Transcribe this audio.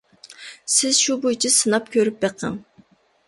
سىز شۇ بويىچە سىناپ كۆرۈپ بېقىڭ.